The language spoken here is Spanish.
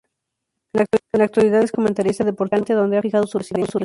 En la actualidad, es comentarista deportivo en Alicante, donde ha fijado su residencia.